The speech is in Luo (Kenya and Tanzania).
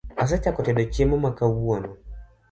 Asechako tedo chiemo ma kawuono